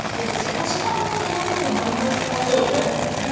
市販の生クリームまるまる使うイメージですね。